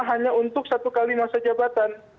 hanya untuk satu kali masa jabatan